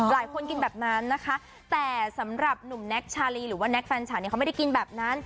กินแบบนั้นนะคะแต่สำหรับหนุ่มแน็กชาลีหรือว่าแก๊กแฟนฉันเนี่ยเขาไม่ได้กินแบบนั้น